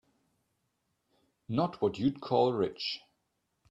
Not what you'd call rich.